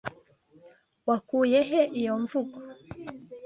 Wakuye he iyo mvugo?